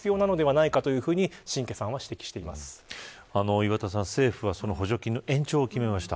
岩田さん、政府は補助金の延長を決めました。